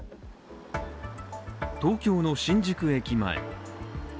東京の新宿駅前。